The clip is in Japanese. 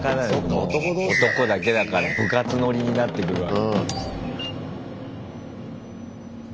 男だけだから部活ノリになってくるわ。